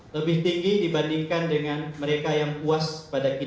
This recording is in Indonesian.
lebih tinggi dibandingkan dengan mereka yang puas pada kinerja wakil presiden